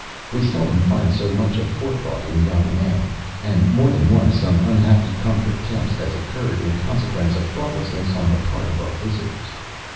We seldom find so much of forethought in young men; and, more than once, some unhappy contre temps has occurred in consequence of thoughtlessness on the part of our visitors.